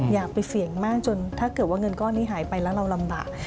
อยากไปเสี่ยงมากจนถ้าเกิดว่าเงินก้อนนี้หายไปแล้วเราลำบาก